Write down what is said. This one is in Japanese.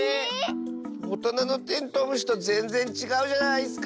おとなのテントウムシとぜんぜんちがうじゃないスか！